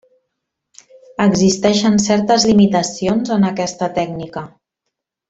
Existeixen certes limitacions en aquesta tècnica.